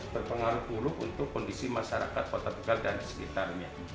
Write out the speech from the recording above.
berpengaruh buruk untuk kondisi masyarakat kota tegal dan sekitarnya